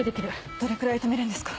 どれくらい止めるんですか？